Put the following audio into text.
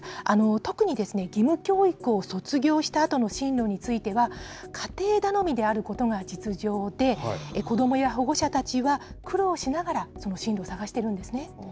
特に義務教育を卒業したあとの進路については、家庭頼みであることが実情で、子どもや保護者たちは苦労しながら、その進路を探しているんですね。